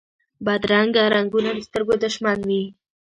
بدرنګه رنګونه د سترګو دشمن وي